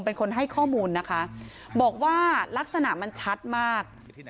เป็นคนให้ข้อมูลนะคะบอกว่าลักษณะมันชัดมาก